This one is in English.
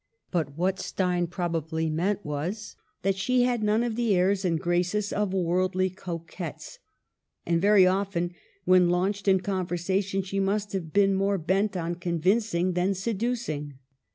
But what Stein* probably meant was that she had none of the airs and graces of worldly coquettes ; and very often, when launched in conversation, she must have been more bent on convincing than seducing.